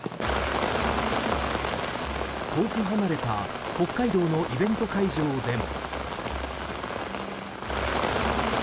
遠く離れた北海道のイベント会場でも。